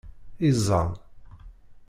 Iẓẓan.